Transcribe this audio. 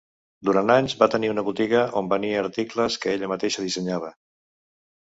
Durant anys va tenir una botiga on venia articles que ella mateixa dissenyava.